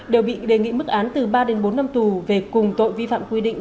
đều bị đề nghị mức án từ ba đến bốn năm tù về cùng tội vi phạm quy định